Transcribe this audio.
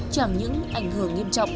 chẳng những ảnh hưởng nghiêm trọng